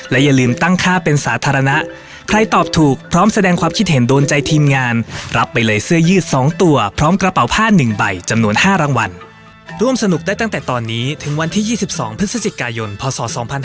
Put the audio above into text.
ร่วมสนุกได้ตั้งแต่ตอนนี้ถึงวันที่๒๒พฤศจิกายนพศ๒๕๖๒